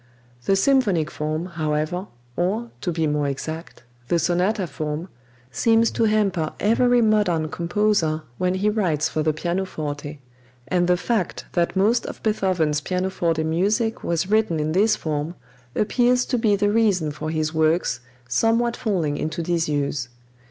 The symphonic form, however, or, to be more exact, the sonata form, seems to hamper every modern composer when he writes for the pianoforte, and the fact that most of Beethoven's pianoforte music was written in this form appears to be the reason for his works somewhat falling into disuse.